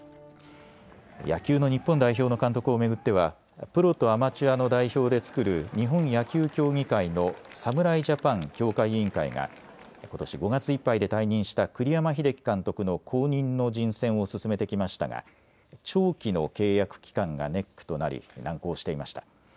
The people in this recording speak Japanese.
野球の日本代表の監督を巡ってはプロとアマチュアの代表で作る日本野球協議会の侍ジャパン強化委員会がことし５月いっぱいで退任した栗山英樹監督の後任の人選を進めてきましたが長期の契約期間がネックとなり難航していました。